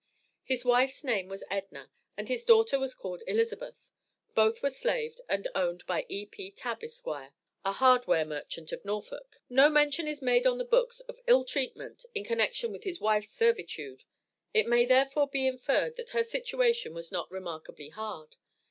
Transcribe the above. His wife's name was Edna and his daughter was called Elizabeth; both were slaves and owned by E.P. Tabb, Esq., a hardware merchant of Norfolk. No mention is made on the books, of ill treatment, in connection with his wife's servitude; it may therefore be inferred, that her situation was not remarkably hard.